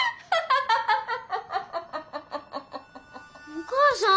お母さん？